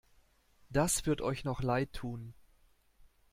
Das wird euch noch leid tun!